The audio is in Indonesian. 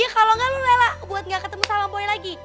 iya kalo enggak lo rela buat gak ketemu sama boy lagi